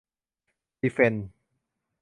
ดีเฟนส์